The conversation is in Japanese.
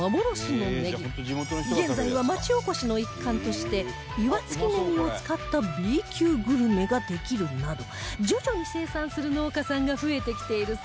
現在は町おこしの一環として岩槻ねぎを使った Ｂ 級グルメができるなど徐々に生産する農家さんが増えてきているそうです